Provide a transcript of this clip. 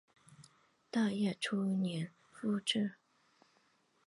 大业初年复置。